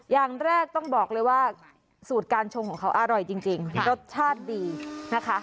อย่างแรกต้องบอกเลยว่าสูตรการชงของเขาอร่อยจริงรสชาติดีนะคะ